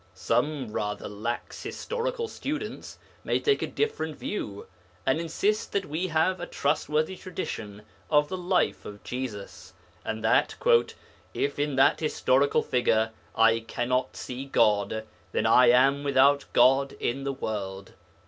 Some rather lax historical students may take a different view, and insist that we have a trustworthy tradition of the life of Jesus, and that 'if in that historical figure I cannot see God, then I am without God in the world.'